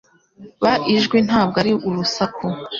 Ba ijwi. Ntabwo ari urusaku.